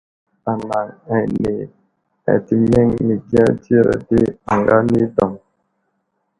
Anaŋ ane atəmeŋ məgiya dzire di aŋga anidaw.